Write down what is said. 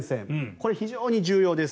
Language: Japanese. これ、非常に重要です。